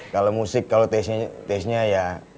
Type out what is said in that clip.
kalau musik kalau taste nya ya